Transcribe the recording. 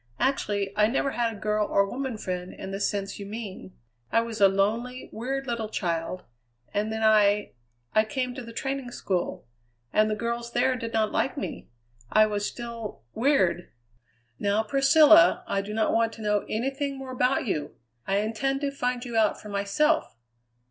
Actually, I never had a girl or woman friend in the sense you mean. I was a lonely, weird little child; and then I I came to the training school; and the girls there did not like me I was still weird " "Now, Priscilla, I do not want to know anything more about you! I intend to find you out for myself.